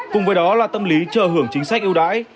cùng với đó là tâm lý chờ hưởng chính sách ưu đãi